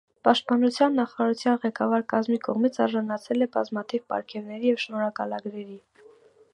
Պաշտպանության նախարարության ղեկավար կազմի կողմից արժանացել է բազմաթիվ պարգևների և շնորհակալագրերի։